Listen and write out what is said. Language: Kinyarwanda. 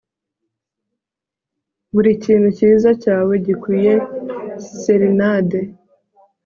buri kintu cyiza cyawe gikwiye serenade